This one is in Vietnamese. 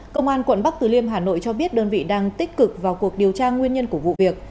công an quận bắc từ liêm hà nội cho biết đơn vị đang tích cực vào cuộc điều tra nguyên nhân của vụ việc